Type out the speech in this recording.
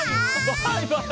バイバイ。